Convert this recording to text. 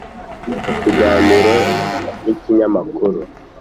mu kiganiro n’ikinyamakuru ,